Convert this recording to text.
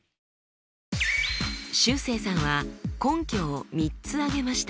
しゅうせいさんは根拠を３つ挙げました。